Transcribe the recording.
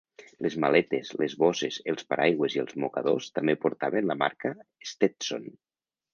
Les maletes, les bosses, els paraigües i els mocadors també portaven la marca Stetson.